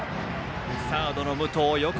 サードの武藤よく